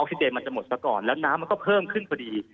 ซิเจนมันจะหมดซะก่อนแล้วน้ำมันก็เพิ่มขึ้นพอดี